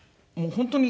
本当に。